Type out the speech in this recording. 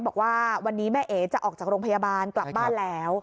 บอกว่าวันนี้แม่เอ๋จะออกจากโรงพยาบาลกลับบ้านแล้ว